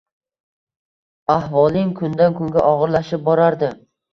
Ahvoling kundan kunga og’irlashib borardi.